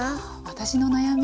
私の悩み